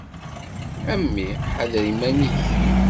A memmi ḥader iman-ik.